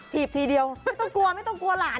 ทีบทีเดียวไม่ต้องกลัว